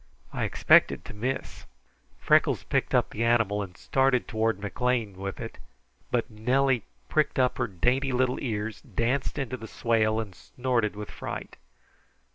I expected to miss." Freckles picked up the animal and started toward McLean with it, but Nellie pricked up her dainty little ears, danced into the swale, and snorted with fright.